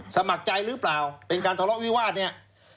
สมัครใจหรือเปล่าเป็นการทะเลาะวิวาสเนี่ย